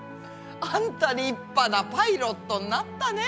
あんた立派なパイロットになったね。